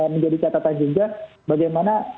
menjadi catatan juga bagaimana